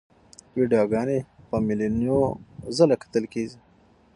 ویډیوګانې په میلیونو ځله کتل کېږي.